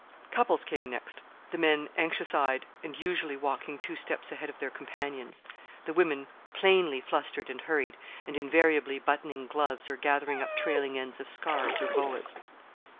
Couples came next the men anxious eyed, and usually walking two steps ahead of their companions; the women plainly flustered and hurried, and invariably buttoning gloves or gathering up trailing ends of scarfs or boas.